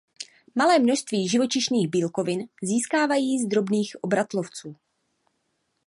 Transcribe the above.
Malé množství živočišných bílkovin získávají z drobných obratlovců.